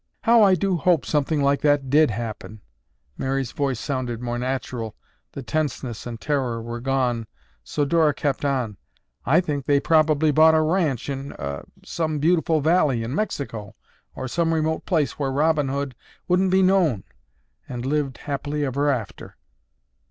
"How I do hope something like that did happen." Mary's voice sounded more natural, the tenseness and terror were gone, so Dora kept on, "I think they probably bought a ranch in—er—some beautiful valley in Mexico, or some remote place where Robin Hood wouldn't be known and lived happily ever after."